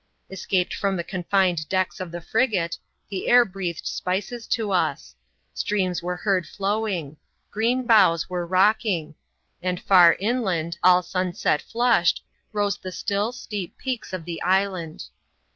Escaped from the confined decks of the frigate, the air breathed spices to us ; streams were heard flow iiig ; green boughs were rocking ; and far inland, all sunset flushed, rose the still, steep peaks of the island.